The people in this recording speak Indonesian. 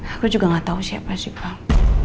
aku juga gak tau siapa sih pang